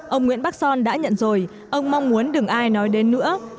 ông nguyễn bắc son đã nhận rồi ông mong muốn đừng ai nói đến nữa